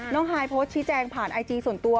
ฮายโพสต์ชี้แจงผ่านไอจีส่วนตัว